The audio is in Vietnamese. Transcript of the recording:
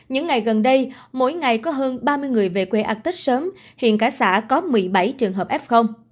những ngày gần đây mỗi ngày có hơn ba mươi người về quê ăn tết sớm hiện cả xã có một mươi bảy trường hợp f